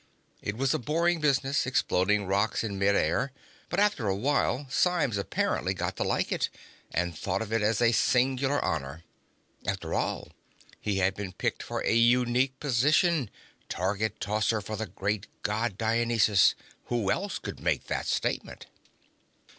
It was a boring business, exploding rocks in mid air, but after a while Symes apparently got to like it, and thought of it as a singular honor. After all, he had been picked for a unique position: target tosser for the great God Dionysus. Who else could make that statement?